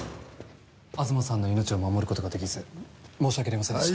東さんの命を守る事ができず申し訳ありませんでした。